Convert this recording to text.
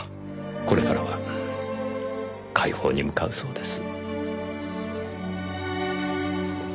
これからは快方に向かうそうです。